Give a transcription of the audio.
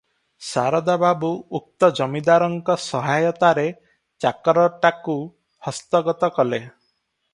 ଶାରଦା ବାବୁ ଉକ୍ତ ଜମିଦାରଙ୍କ ସହାୟତାରେ ଚାକରଟାକୁ ହସ୍ତଗତ କଲେ ।